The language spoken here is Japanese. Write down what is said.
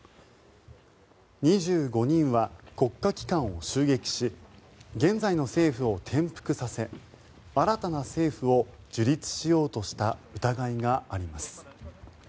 ２５人は国家機関を襲撃し現在の政府を転覆させ新たな政府を樹立しようとした疑いがあります。